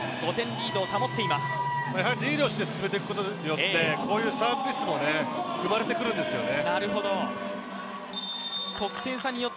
リードして進めていくことによってこういうサーブミスも生まれてくるんですよね。